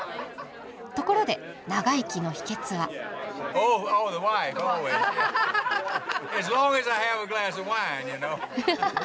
ところで長生きの秘けつは？ハハハ。